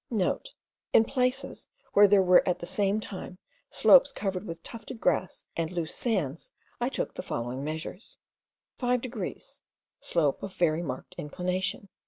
*(* In places where there were at the same time slopes covered with tufted grass and loose sands, I took the following measures: 5 degrees, slope of a very marked inclination.